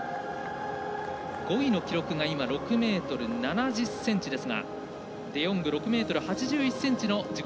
５位の記録が６ｍ７０ｃｍですがデヨング６ｍ８１ｃｍの自己